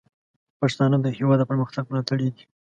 پښتانه د هیواد د پرمختګ ملاتړي دي.